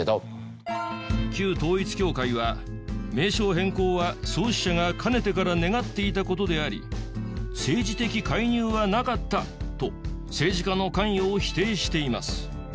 旧統一教会は「名称変更は創始者がかねてから願っていた事であり政治的介入はなかった」と政治家の関与を否定しています。